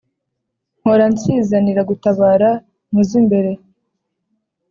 Mpora nsizanira gutabara mu z’imbere.